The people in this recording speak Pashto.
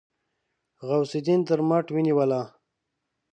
غوث الدين تر مټ ونيوله.